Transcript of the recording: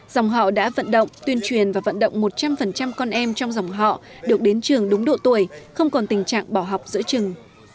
dòng họ đã vận động tuyên truyền và vận động một trăm linh con em trong dòng họ được đến trường đúng độ tuổi không còn tình trạng bỏ học giữa trường